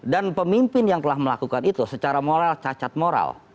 dan pemimpin yang telah melakukan itu secara moral cacat moral